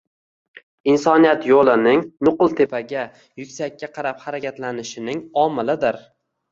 insoniyat yo‘lining nuqul tepaga – yuksakka qarab harakatlanishining omilidir.